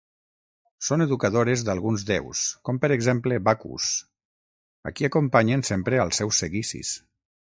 Són educadores d'alguns déus, com per exemple Bacus, a qui acompanyen sempre als seus seguicis.